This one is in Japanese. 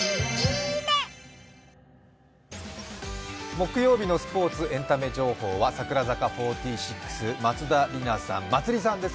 木曜日のスポーツ、エンタメ情報は櫻坂４６、松田里奈、まつりさんです。